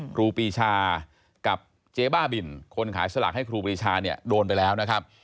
ครูปีชากับเจ๊บ้าบินคนขายสลากให้ครูปรีชาเนี่ยโดนไปแล้วนะครับ